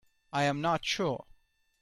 I am not sure.